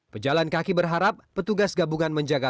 pejalan kaki berharap petugas gabungan menjaga